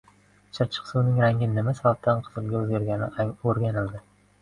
Chirchiq suvining rangi nima sababdan qizilga o‘zgargani o‘rganildi